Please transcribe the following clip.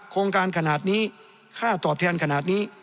โครงการขนาดนี้ค่าตอบแทนขนาดนี้